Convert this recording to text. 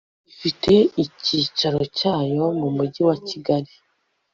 ifite icyicaro cyayo mu Mujyi wa Kigali